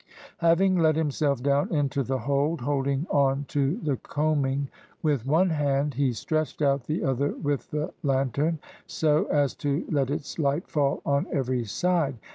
Having let himself down into the hold, holding on to the coaming with one hand, he stretched out the other with the lantern, so as to let its light fall on every side.